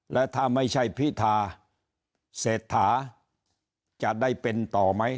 และถ้าไม่ใช่พิธาเศรษฐาจะได้เป็นต่อไหม